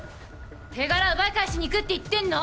手柄奪い返しに行くって言ってんの！